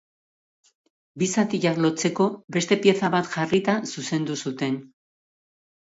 Bi zatiak lotzeko beste pieza bat jarrita zuzendu zuten.